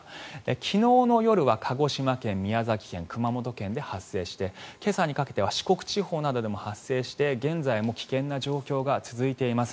昨日の夜は鹿児島県、宮崎県熊本県で発生して今朝にかけては四国地方などでも発生して現在も危険な状況が続いています。